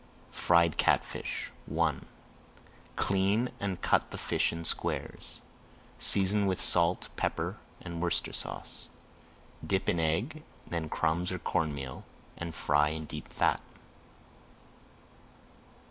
FRIED CATFISH I Clean and cut the fish in squares. Season with salt, pepper, and Worcestershire sauce. Dip in egg, then in crumbs or corn meal, and fry in deep fat.